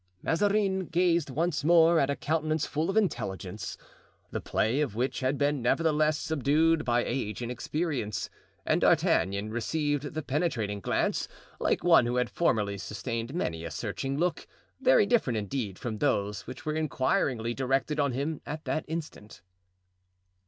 Mazarin gazed once more at a countenance full of intelligence, the play of which had been, nevertheless, subdued by age and experience; and D'Artagnan received the penetrating glance like one who had formerly sustained many a searching look, very different, indeed, from those which were inquiringly directed on him at that instant.